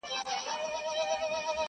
څوك به غوږ نيسي نارو ته د بې پلارو!